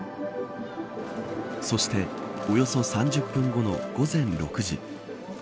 そしておよそ３０分後の午前６時。